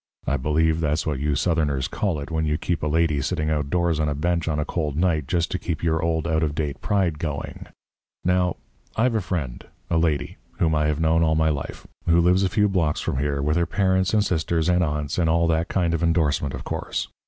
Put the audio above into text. I believe that's what you Southerners call it when you keep a lady sitting outdoors on a bench on a cold night just to keep your old, out of date pride going. Now, I've a friend a lady whom I have known all my life who lives a few blocks from here with her parents and sisters and aunts, and all that kind of endorsement, of course.